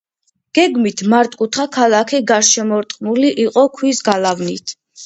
გეგმით მართკუთხა ქალაქი გარშემორტყმული იყო ქვის გალავნით.